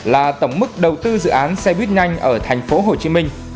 là tổng mức đầu tư dự án xe buýt nhanh ở thành phố hồ chí minh